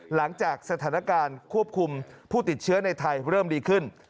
หลังจากสถานการณ์ควบคุมผู้ติดเชื้อในไทยเริ่มดีขึ้น